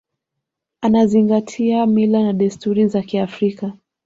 anazingati mila na desturi za kiafrika